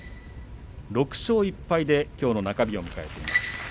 ６勝１敗できょうの中日を迎えています。